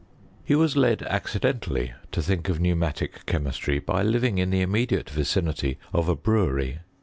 He was led accidentally to think of pneo ' matic chemistry, by living in the immediate vicinity of a brewery.